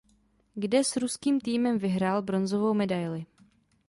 Kde s ruským týmem vyhrál bronzovou medaili.